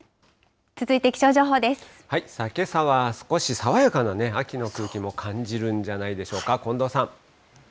けさは少し爽やかな秋の空気も感じるんじゃないでしょうか、近藤さん。